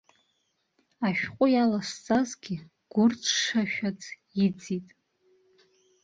Ашәҟәы иаласҵазгьы гәырӡ-шашәаӡ иӡит.